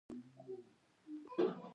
په ډېرو ستونزو به خلک پرې ختل.